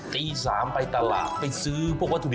ตี๓ไปตลาดไปซื้อพวกวัตถุดิ